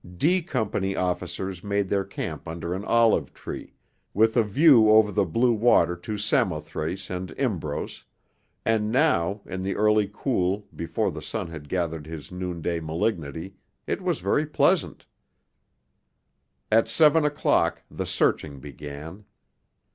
D Company officers made their camp under an olive tree, with a view over the blue water to Samothrace and Imbros, and now in the early cool, before the sun had gathered his noonday malignity, it was very pleasant. At seven o'clock the 'searching' began.